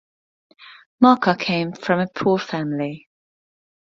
Maka came from a poor family.